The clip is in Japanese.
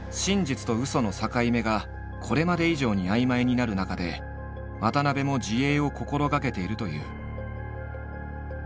その境目がこれまで以上に曖昧になる中で渡部も自衛を心がけているという。